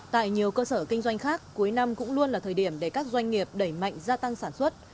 tại nhiều cơ sở kinh doanh khác cuối năm cũng luôn là thời điểm để các doanh nghiệp đẩy mạnh gia tăng sản xuất